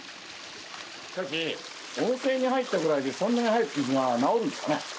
しかし温泉に入ったぐらいでそんなに早く傷が治るんですかね？